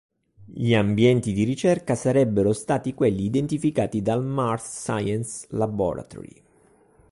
Gli ambienti di ricerca sarebbero stati quelli identificati dal Mars Science Laboratory.